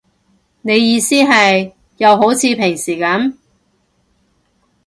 你意思係，又好似平時噉